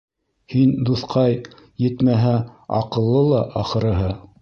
— Һин, дуҫҡай, етмәһә, аҡыллы ла, ахырыһы?